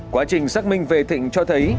quá trình xác minh về thịnh cho thấy